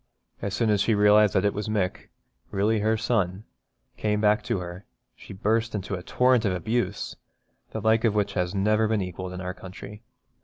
As soon as she realised that it was Mick, really her son, come back to her, she burst into a torrent of abuse, the like of which has never been equalled in our country.